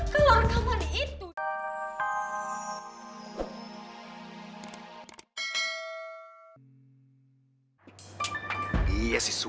kalo rekaman itu